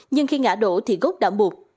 nhưng khi ngã đổ thì gốc đã buộc